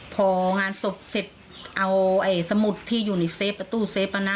พองานสกเศรษฐเอานี่สมุดที่อยู่ในเซฟประตูเซฟนะ